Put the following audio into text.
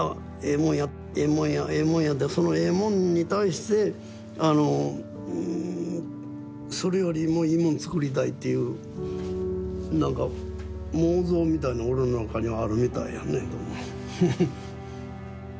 もんやええもんやええもんやってそのええもんに対してそれよりもいいもん作りたいっていうなんか妄想みたいの俺の中にはあるみたいやねどうも。